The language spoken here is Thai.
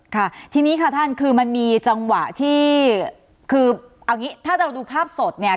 ค่ะทีนี้ค่ะท่านคือมันมีจังหวะที่คือเอางี้ถ้าเราดูภาพสดเนี่ย